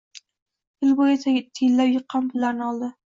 Yil boʻyi tiyinlab yiqqan pullarini oldi.